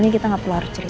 tentang kepentingan ini